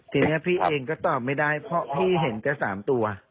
ทีนี้พี่เองก็ตอบไม่ได้เพราะพี่เห็นแค่๓ตัว